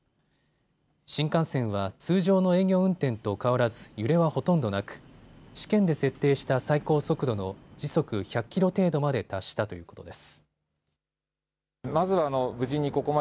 新幹線は通常の営業運転と変わらず揺れはほとんどなく試験で設定した最高速度の時速１００キロ程度まで達したということです。